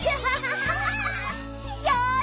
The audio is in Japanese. よし！